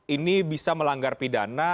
ini bisa melanggar pidana